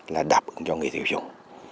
là đáp ứng cho người tiêu dùng